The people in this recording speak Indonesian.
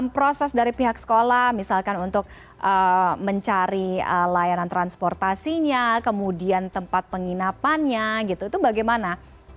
proses dari pihak sekolah misalkan untuk mencari layanan transportasinya kemudian tempat penginapannya gitu itu bagaimana